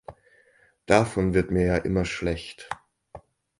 Davon wird mir ja immer schlecht.